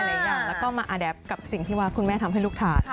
หลายอย่างแล้วก็มาอาแดฟกับสิ่งที่ว่าคุณแม่ทำให้ลูกทาน